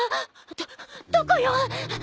どどこよ！